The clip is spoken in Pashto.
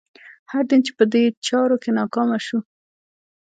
هر دین چې په دې چارو کې ناکامه شو.